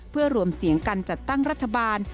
เพื่อรวมเสียงกันจัดตั้งรัฐบาล